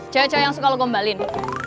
cewek cewek yang suka lo gembalin